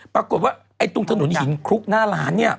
ปรากฏว่าตุ๊กถนนหินคลุกน่าร้านนี้